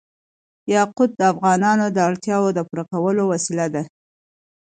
یاقوت د افغانانو د اړتیاوو د پوره کولو وسیله ده.